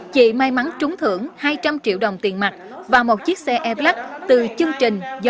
chị may mắn trúng thưởng hai trăm linh triệu đồng tiền mặt và một chiếc xe e black từ chương trình do ngân hàng thông báo